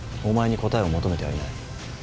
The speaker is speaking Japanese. お前に答えを求めてはいない。